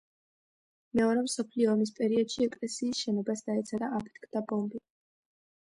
მეორე მსოფლიო ომის პერიოდში ეკლესიის შენობას დაეცა და აფეთქდა ბომბი.